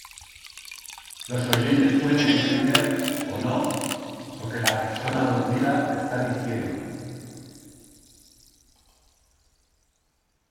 Los oyentes pueden entender, o no, lo que la persona dormida está diciendo.